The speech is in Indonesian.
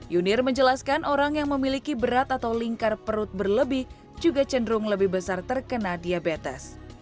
yunir menjelaskan orang yang memiliki berat atau lingkar perut berlebih juga cenderung lebih besar terkena diabetes